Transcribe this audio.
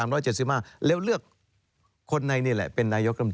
แล้วเลือกคนในนี่แหละเป็นนายกรรม